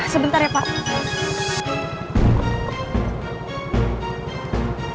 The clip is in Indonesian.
sebentar ya pak